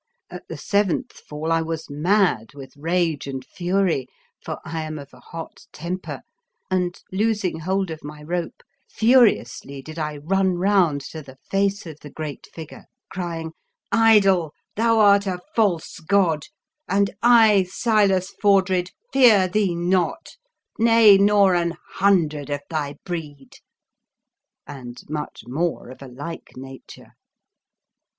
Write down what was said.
At the seventh fall I was mad with rage and fury, for I am of a hot temper, and, losing hold of my rope furiously did I run round to the face of the great figure, crying, " Idol, thou art a false god, and I, Silas Fordred, fear thee not, nay, nor an hundred of thy breed!" and much more of a like na ture.